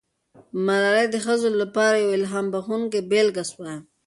ملالۍ د ښځو لپاره یوه الهام بښونکې بیلګه سوه.